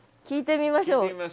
聞いてみましょう。